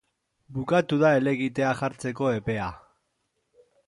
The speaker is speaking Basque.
Bukatu da helegitea jartzeko epea.